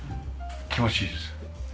気持ちいいです。